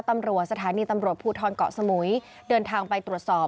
ตำรวจสถานีตำรวจภูทรเกาะสมุยเดินทางไปตรวจสอบ